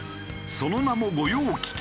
その名も御用聞き。